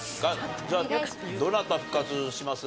じゃあどなた復活します？